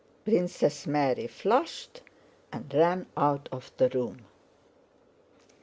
Princess Mary flushed and ran out of the room.